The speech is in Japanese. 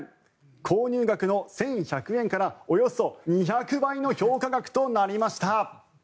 購入額の１１００円からおよそ２００倍の評価額となりました。